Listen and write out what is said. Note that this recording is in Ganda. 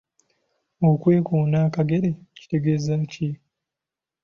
Okwekoona akagere kitegeeza ki?.